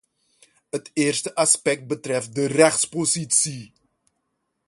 Het eerste aspect betreft de rechtspositie.